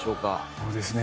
そうですね。